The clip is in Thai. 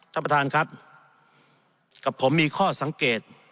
ท่านประธานครับกับผมมีข้อสังเกต